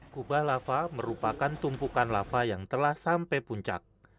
kubah lava merupakan tumpukan lava yang telah sampai puncak